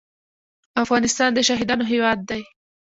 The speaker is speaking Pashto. افغانستان د شهیدانو هیواد دی